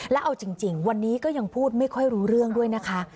แล้วเอาจริงวันนี้ก็ยังพูดไม่ค่อยรู้เรื่องด้วยนะคะ